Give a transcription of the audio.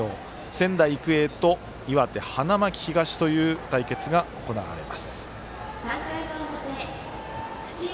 仙台育英と岩手、花巻東という対決が行われます。